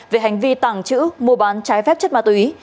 về hành vi tàng trữ mua bán trái phép chất ma túy